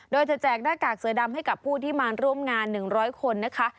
โดยจะแจกหน้ากากเสือดำให้กับผู้ที่มาร่วมงาน๑๐๐คนนะคะ